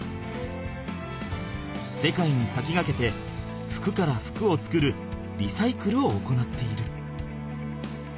世界にさきがけて服から服を作るリサイクルを行っている。